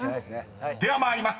［では参ります。